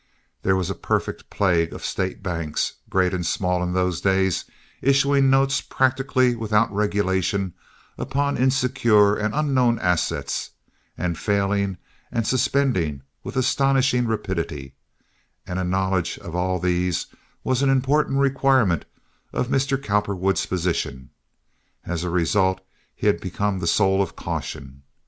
There was a perfect plague of State banks, great and small, in those days, issuing notes practically without regulation upon insecure and unknown assets and failing and suspending with astonishing rapidity; and a knowledge of all these was an important requirement of Mr. Cowperwood's position. As a result, he had become the soul of caution.